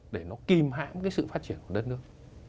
để nó kìm hãm cái sự phát triển của đất nước